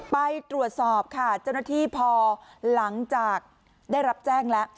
ไปตรวจสอบค่ะเจ้าหน้าที่พอหลังจากได้รับแจ้งแล้ว